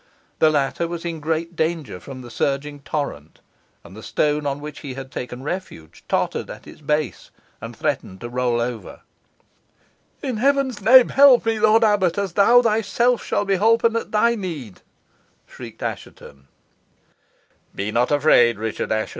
The latter was in great danger from the surging torrent, and the stone on which he had taken refuge tottered at its base, and threatened to roll over. "In Heaven's name, help me, lord abbot, as thou thyself shall be holpen at thy need!" shrieked Assheton. "Be not afraid, Richard Assheton," replied Paslew.